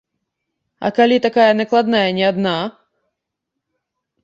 А калі такая накладная не адна?